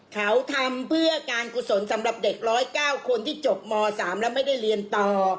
เขาทำเพื่อการกุศลสำหรับเด็ก๑๐๙คนที่จบม๓แล้วไม่ได้เรียนต่อ